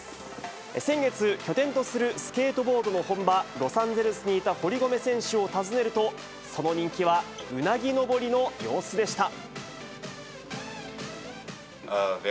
先月、拠点とするスケートボードの本場、ロサンゼルスにいた堀米選手を訪ねると、その人気はうなぎ登りの様子でした。